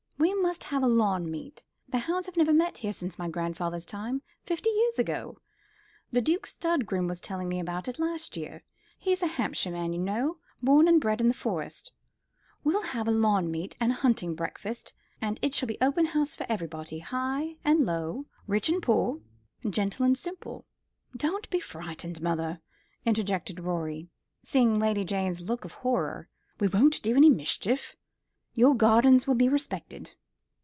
We must have a lawn meet. The hounds have never met here since my grandfather's time fifty years ago. The Duke's stud groom was telling me about it last year. He's a Hampshire man, you know, born and bred in the Forest. We'll have a lawn meet and a hunting breakfast; and it shall be open house for everyone high and low, rich and poor, gentle and simple. Don't be frightened, mother," interjected Rorie, seeing Lady Jane's look of horror; "we won't do any mischief. Your gardens shall be respected."